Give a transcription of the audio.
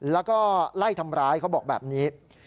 แล้วก็ไล่ทำร้ายเขาบอกแบบนี้